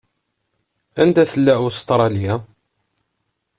Anda tella Ustṛalya?